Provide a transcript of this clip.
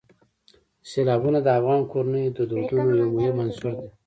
سیلابونه د افغان کورنیو د دودونو یو مهم عنصر دی.